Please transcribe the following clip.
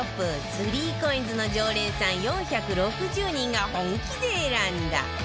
３ＣＯＩＮＳ の常連さん４６０人が本気で選んだ